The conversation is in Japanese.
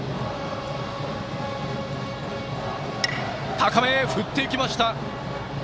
高め、振っていきました。